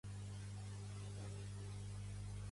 Pertany al moviment independentista la Lia?